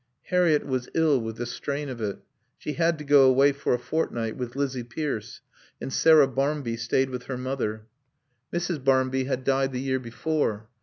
Harriett was ill with the strain of it. She had to go away for a fortnight with Lizzie Pierce, and Sarah Barmby stayed with her mother. Mrs. Barmby had died the year before.